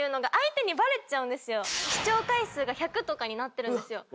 視聴回数が１００とかになってるんですよ。